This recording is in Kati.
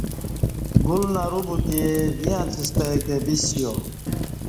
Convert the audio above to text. گل نرو بوتہ ویں اڅستہ کہ بسیا